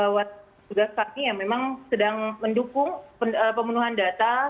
waktu tugas pagi ya memang sedang mendukung pemenuhan data